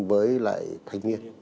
với lại thanh niên